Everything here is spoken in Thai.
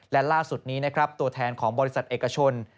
และล่าสุดนี้นะครับตัวแทนของบริษัทเอกชน